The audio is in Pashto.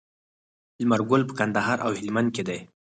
لمر ګل په کندهار او هلمند کې دی.